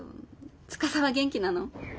司は元気なの？